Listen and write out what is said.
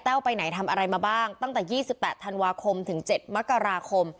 ไปไหนทำอะไรมาบ้างตั้งแต่๒๘ธันวาคมถึง๗มกราคม